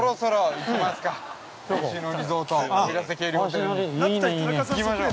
◆行きましょう。